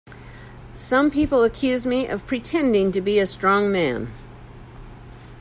Some people accuse me of pretending to be a strong man.